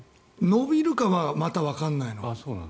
伸びるかはまたわからないの。